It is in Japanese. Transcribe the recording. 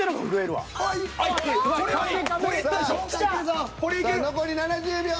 さあ残り７０秒。